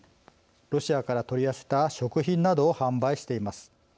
ロシアから取り寄せた食品などを販売しています。